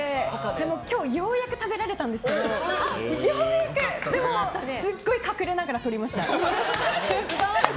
でも今日ようやく食べられたんですけどでも、すっごい隠れながらとりました。